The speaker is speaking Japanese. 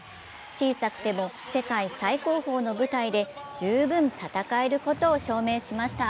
小さくても世界最高峰の舞台で十分戦えることを証明しました。